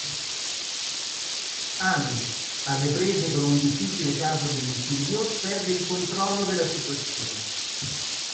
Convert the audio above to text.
Amy, alle prese con un difficile caso di omicidio, perde il controllo della situazione.